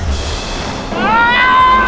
aku akan menghina kau